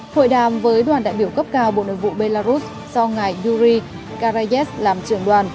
hội đàm với đoàn đại biểu cấp cao bộ nội vụ belarus do ngài yuri karayz làm trưởng đoàn